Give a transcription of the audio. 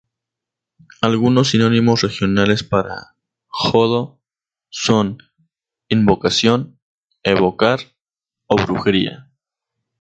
Algunos sinónimos regionales para Hoodoo son: "invocación", "evocar" o "brujería".